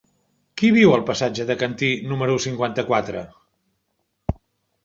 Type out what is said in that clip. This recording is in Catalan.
Qui viu al passatge de Cantí número cinquanta-quatre?